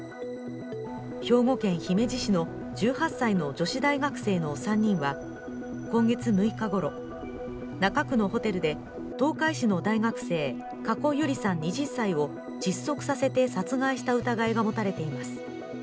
兵庫県姫路市の１８歳の女子大学生の３人は、今月６日ごろ、中区のホテルで東海市の大学生加古結莉さん２０歳を窒息させて殺害した疑いが持たれています。